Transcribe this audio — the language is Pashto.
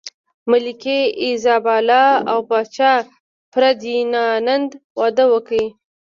ملکې ایزابلا او پاچا فردیناند واده وکړ.